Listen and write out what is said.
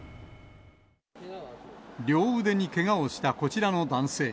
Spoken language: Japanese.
両腕にけがをしたこちらの男性。